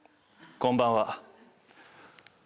「こんばんは」。